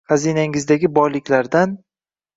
Xazinangizdagi boyliklardan